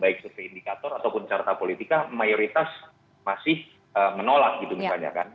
baik survei indikator ataupun carta politika mayoritas masih menolak gitu misalnya kan